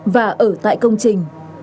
và ở tại công trình